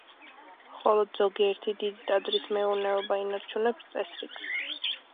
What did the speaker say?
მხოლოდ ზოგიერთი დიდი ტაძრის მეურნეობა ინარჩუნებს წესრიგს.